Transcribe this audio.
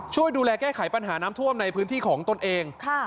ช่วยดูแลแก้ไขปัญหาน้ำท่วมในพื้นที่ของตนเอง